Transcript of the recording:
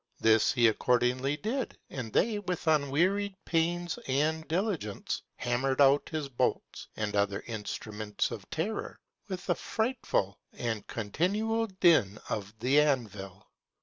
This he accordingly did; and they, with unwearied pains and diligence, hammered out his bolts, and other instruments of terror, with a frightful and continual din of the anvil.